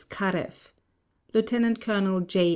Karev Lieutenant Colonel J.